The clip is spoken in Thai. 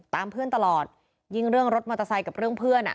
เพื่อนตลอดยิ่งเรื่องรถมอเตอร์ไซค์กับเรื่องเพื่อนอ่ะ